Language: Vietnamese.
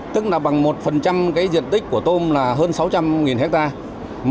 tức là bằng một cái diện tích của tôm là hơn sáu trăm linh hectare